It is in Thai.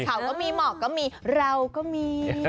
เขาก็มีหมอกก็มีเราก็มี